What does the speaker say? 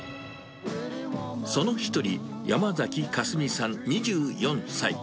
その一人、山崎香澄さん２４歳。